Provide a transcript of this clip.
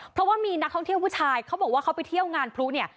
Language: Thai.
เพราะว่ามีนักท่องเที่ยวผู้ชายเขาบอกว่าเขาไปเที่ยวงานพลุเนี่ย